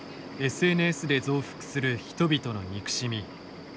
ＳＮＳで増幅する人々の憎しみ。